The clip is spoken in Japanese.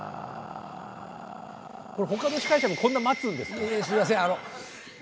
他の司会者もこんな待つんですか？